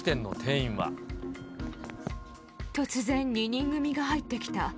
突然、２人組が入ってきた。